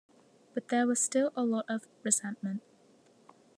But there was still a lot of resentment.